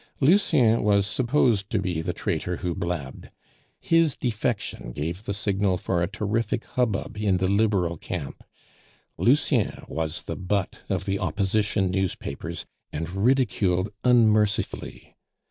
Lucien was supposed to be the traitor who blabbed. His defection gave the signal for a terrific hubbub in the Liberal camp; Lucien was the butt of the Opposition newspapers, and ridiculed unmercifully.